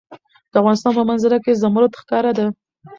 د افغانستان په منظره کې زمرد ښکاره ده.